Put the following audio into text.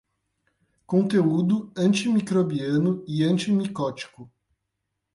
Conteúdo antimicrobiano e antimicótico